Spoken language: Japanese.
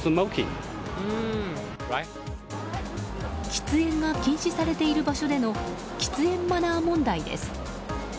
喫煙が禁止されている場所での喫煙マナー問題です。